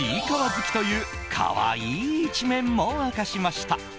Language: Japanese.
好きという可愛い一面も明かしました。